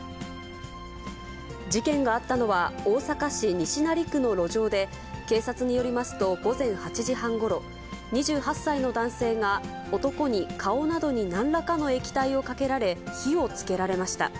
事件があったのは、大阪市西成区の路上で、警察によりますと、午前８時半ごろ、２８歳の男性が男に顔などになんらかの液体をかけられ、火をつけられました。